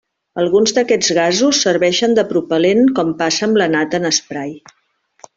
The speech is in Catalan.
Alguns d'aquests gasos serveixen de propel·lent com passa amb la nata en esprai.